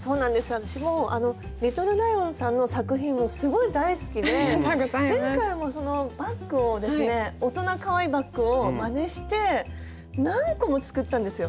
私もＬｉｔｔｌｅＬｉｏｎさんの作品すごい大好きで前回もバッグをですね大人かわいいバッグをまねして何個も作ったんですよ。